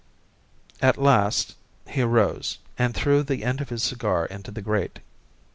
At last he rose and threw the end of his cigar into the grate.